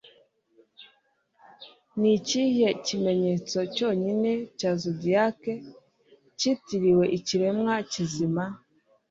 Ni ikihe kimenyetso cyonyine cya zodiac kitiriwe ikiremwa kizima